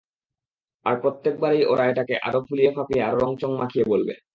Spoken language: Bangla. আর প্রত্যেকবারেই ওরা এটাকে আরও ফুলিয়ে ফাঁপিয়ে আরও রঙচঙ মাখিয়ে বলবে।